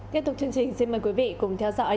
tiếp tục chương trình xin mời quý vị cùng theo dõi